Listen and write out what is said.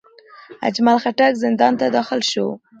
اجمل خټک زندان ته داخل شو.